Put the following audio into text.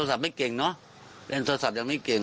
นึกอย่างหนึ่งเล่นโทรศัพท์ไม่เก่ง